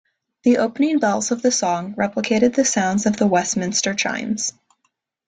The opening bells of the song replicated the sound of the Westminster chimes.